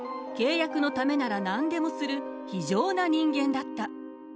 契約のためなら何でもする非情な人間だった。